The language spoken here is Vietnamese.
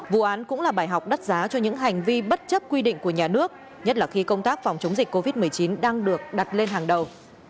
vụ án cũng là bài học đắt giá cho những hành vi bất chấp quy định của nhà nước nhất là khi công tác phòng chống dịch covid một mươi chín đang được đặt lên hàng đầu